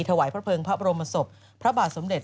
ถวายพระเภิงพระบรมศพพระบาทสมเด็จ